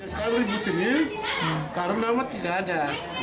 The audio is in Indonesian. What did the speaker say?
sekarang ribut ini karena nama tidak ada